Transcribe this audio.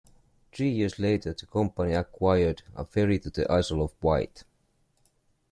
Three years later the company acquired a ferry to the Isle of Wight.